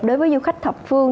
đối với du khách thập phương